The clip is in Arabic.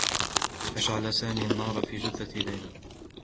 أشعل سامي النّار في جثّة ليلى.